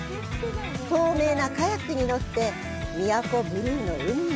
透明なカヤックに乗って宮古ブルーの海へ。